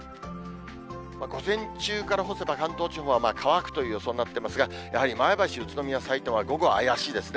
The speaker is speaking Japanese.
午前中から干せば、関東地方は乾くという予想になってますが、やはり前橋、宇都宮、さいたまは午後怪しいですね。